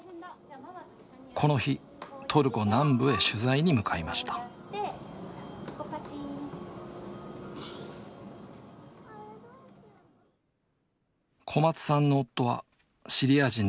この日トルコ南部へ取材に向かいました小松さんの夫はシリア人のラドワンさん。